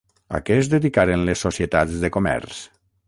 A què es dedicaren les societats de comerç?